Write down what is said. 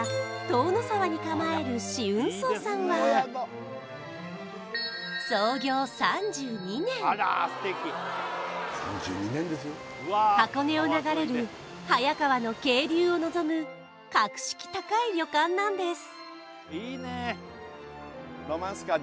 塔ノ沢に構える紫雲荘さんは箱根を流れる早川の渓流を臨む格式高い旅館なんです